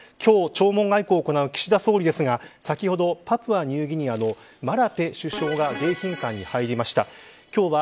今日弔問外交を行う岸田総理ですが先ほど、パプアニューギニアのマラペ首相が迎賓館に入りました。